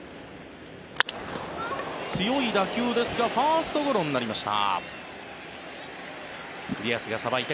強い打球ですがファーストゴロになりました。